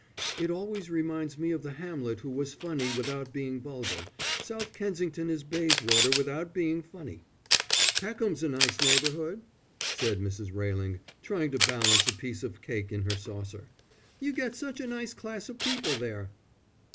"It always reminds me of the Hamlet who was funny without being vulgar: South Kensington is Bayswater without being funny." "Peckham's a nice neighbourhood," said Mrs. Railing, trying to balance a piece of cake in her saucer. "You get such a nice class of people there."